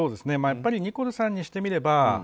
やっぱりニコルさんにしてみれば」